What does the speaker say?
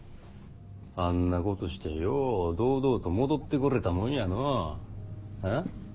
あんなことしてよう堂々と戻って来れたもんやのうあぁ？